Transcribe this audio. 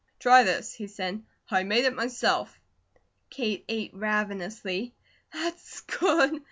"Try this," he said. "I made it myself." Kate ate ravenously. "That's good!"